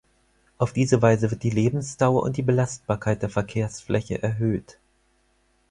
Auf diese Weise wird die Lebensdauer und die Belastbarkeit der Verkehrsfläche erhöht.